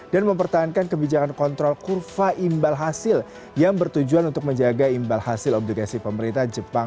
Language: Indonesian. dan mempertahankan kebijakan kontrol kurva imbal hasil yang bertujuan untuk menjaga imbal hasil obligasi pemerintah jepang